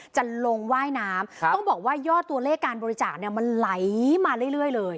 จะลงว่ายน้ำต้องบอกว่ายอดตัวเลขการบริจาคเนี่ยมันไหลมาเรื่อยเลย